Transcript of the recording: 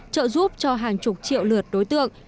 trợ giúp cho hàng chục triệu lượt đối tượng